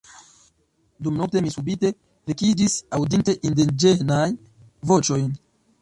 Dumnokte mi subite vekiĝis, aŭdinte indiĝenajn voĉojn.